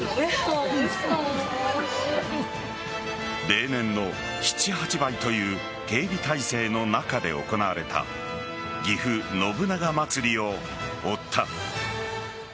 例年の７８倍という警備態勢の中で行われたぎふ信長まつりを追った。